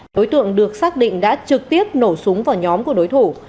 đối tượng được xác định đã trực tiếp nổ súng vào nhóm của đối thủ